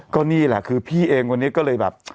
ก็นี่แหละคือพี่เองวันนี้ก็เลยแบบ